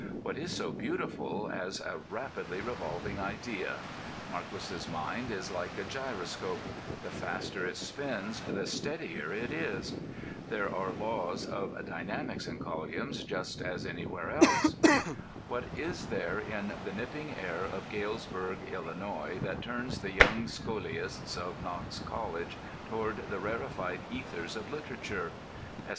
What is so beautiful as a rapidly revolving idea? Marquis's mind is like a gyroscope: the faster it spins, the steadier it is. There are laws of dynamics in colyums just as anywhere else. What is there in the nipping air of Galesburg, Illinois, that turns the young sciolists of Knox College toward the rarefied ethers of literature?